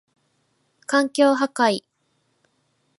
環境破壊